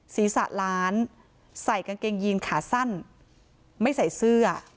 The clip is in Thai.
ศีรษะล้านใส่กางเกงยีนขาสั้นไม่ใส่เสื้อ